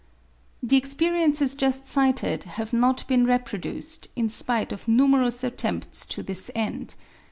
The experiences just cited have not been reproduced, in spite of numerous attempts to this end.